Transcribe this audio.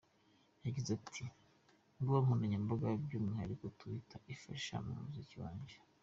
Yagize ati, “Imbuga nkoranyambaga by’umwihariko Twitter imfasha mu muziki wanjye.